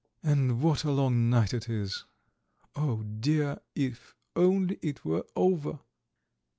"And what a long night it is. Oh dear, if only it were over!"